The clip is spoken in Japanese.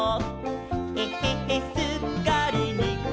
「えへへすっかりにっこりさん！」